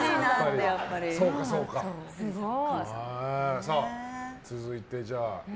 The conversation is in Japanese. すごい。